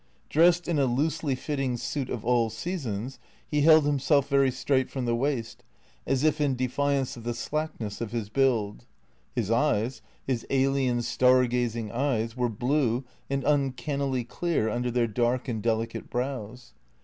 Dressed in a loosely fitting suit of all seasons, he held himself very straight from the waist, as if in defiance of the slackness of his build. His eyes, his alien, star gazing eyes, were blue and uncannily clear under their dark and delicate brows.